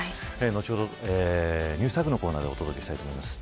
後ほどＮｅｗｓＴａｇのコーナーでお届けします。